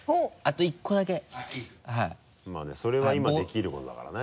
まぁねそれは今できることだからね。